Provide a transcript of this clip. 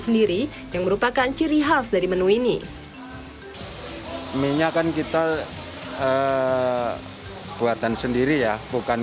sendiri yang merupakan ciri khas dari menu ini minyakan kita buatan sendiri ya bukan